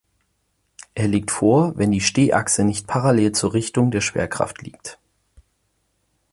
Er liegt vor, wenn die Stehachse nicht parallel zur Richtung der Schwerkraft liegt.